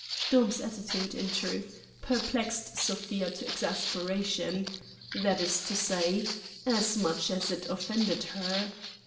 Sturm's attitude, in truth, perplexed Sofia to exasperation; that is to say, as much as it offended her.